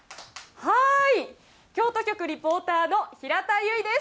はーい、京都局リポーターの平田惟です。